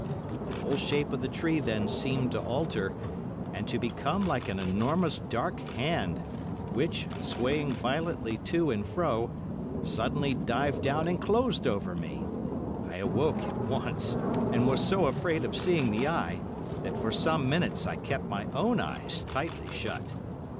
The whole shape of the tree then seemed to alter, and to become like an enormous dark hand, which, swaying violently to and fro, suddenly dived down and closed over me. I awoke at once, but was so afraid of seeing the eye, that for some minutes I kept my own eyes tightly shut.